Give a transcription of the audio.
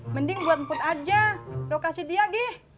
mending buat put aja lo kasih dia gi